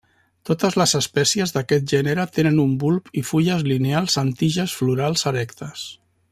Totes les espècies d'aquest gènere tenen un bulb i fulles lineals amb tiges florals erectes.